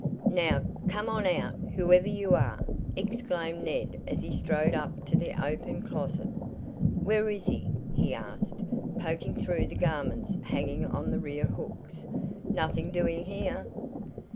"Now, come on out, whoever you are!" exclaimed Ned as he strode up to the open closet. "Where is he?" he asked, poking through the garments hanging on the rear hooks. "Nothing doing here."